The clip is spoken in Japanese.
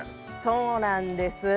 そうなんです。